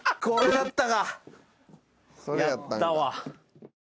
やったわ。